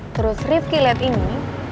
terus rifki liat ini